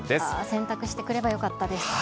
洗濯してくればよかったです。